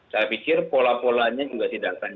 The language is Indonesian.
saya pikir pola polanya juga tidak akan